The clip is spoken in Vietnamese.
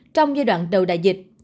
trong giai đoạn này